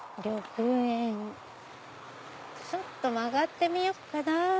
ちょっと曲がってみようかな。